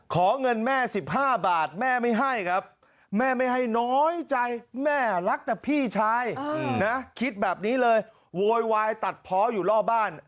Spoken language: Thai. ขอเงินแม่๑๕บาทแม่ไม่ให้ครับแม่ไม่ให้น้อยใจแม่รักแต่พี่ชายนะคิดแบบนี้เลยโวยวายตัดเพาะอยู่รอบบ้าน